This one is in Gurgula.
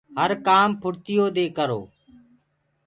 هر ڪآم ڦُڙتيو دي ڪرو۔